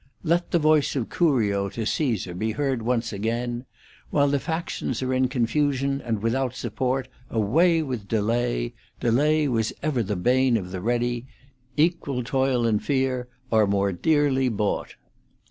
Let the voice of Curio to Caesar be heard once again :' While the factions are in confusion and without support, away with delay ! delay was ever the bane of the ready — equal toil and fear are more dearly bought'.